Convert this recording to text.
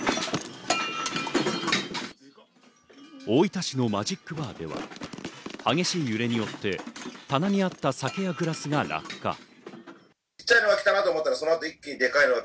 大分市のマジックバーでは、激しい揺れによって棚にあった酒やグラスが落下。